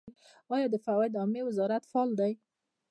آیا د فواید عامې وزارت فعال دی؟